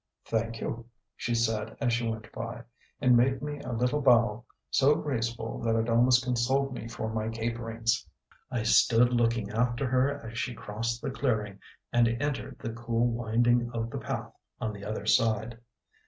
"Thank you," she said as she went by; and made me a little bow so graceful that it almost consoled me for my caperings. I stood looking after her as she crossed the clearing and entered the cool winding of the path on the other side.